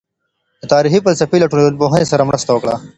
د تاريخ فلسفې له ټولنپوهنې سره مرسته وکړه.